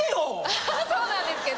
アハハそうなんですけど。